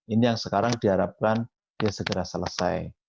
ini yang sekarang diharapkan ya segera selesai